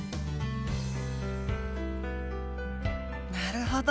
なるほど。